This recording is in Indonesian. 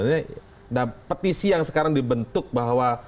nah petisi yang sekarang dibentuk bahwa